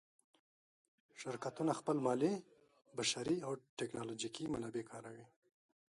شرکتونه خپل مالي، بشري او تکنالوجیکي منابع کاروي.